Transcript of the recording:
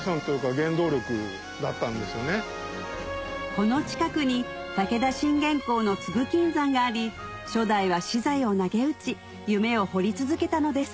この近くに武田信玄公の津具金山があり初代は私財をなげうち夢を掘り続けたのです